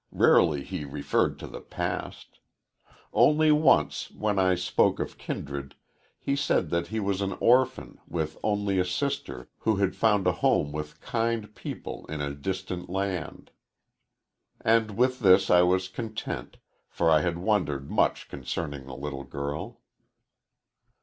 Rarely he referred to the past. Only once, when I spoke of kindred, he said that he was an orphan, with only a sister, who had found a home with kind people in a distant land. And with this I was content, for I had wondered much concerning the little girl."